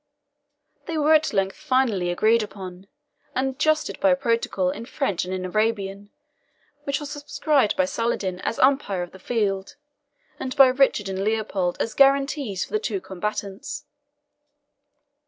They were at length finally agreed upon, and adjusted by a protocol in French and in Arabian, which was subscribed by Saladin as umpire of the field, and by Richard and Leopold as guarantees for the two combatants.